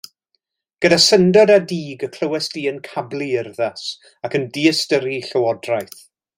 Gyda syndod a dig y clywais di yn cablu urddas, ac yn diystyru llywodraeth.